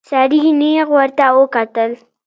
سړي نيغ ورته وکتل.